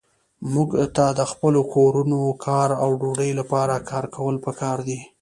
موږ ته د خپلو کورونو، کار او ډوډۍ لپاره کار کول پکار دي.